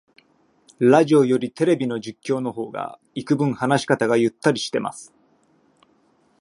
ラジオよりテレビの実況の方がいくぶん話し方がゆったりしてます